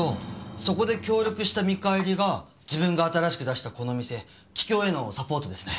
そこで協力した見返りが自分が新しく出したこの店桔梗へのサポートですね。